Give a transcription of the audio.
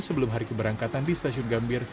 sebelum hari keberangkatan di stasiun gambir